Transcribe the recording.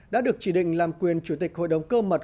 đã được chỉ định làm quyền chủ tịch hội đồng cơ mật